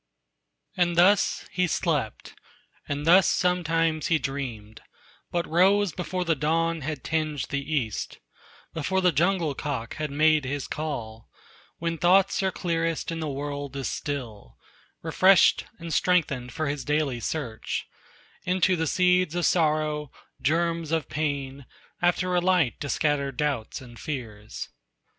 And thus he slept, and thus sometimes he dreamed, But rose before the dawn had tinged the east, Before the jungle cock had made his call, When thoughts are clearest, and the world is still, Refreshed and strengthened for his daily search Into the seeds of sorrow, germs of pain, After a light to scatter doubts and fears.